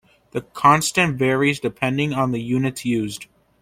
The constant varies depending on the units used.